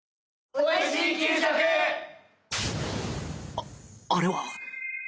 ああれは